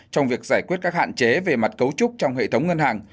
trong việc giải quyết các hạn chế về mặt cấu trúc trong hệ thống ngân hàng